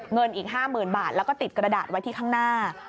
เงินอีก๕๐๐๐บาทแล้วก็ติดกระดาษไว้ที่ข้างหน้า